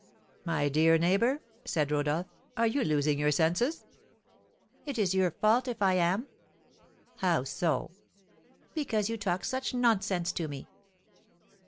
"My dear neighbour," said Rodolph, "are you losing your senses?" "It is your fault if I am." "How so?" "Because you talk such nonsense to me."